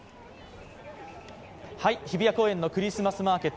日比谷公園のクリスマスマーケット